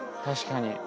確かに。